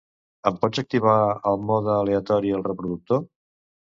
Em pots activar el mode aleatori al reproductor?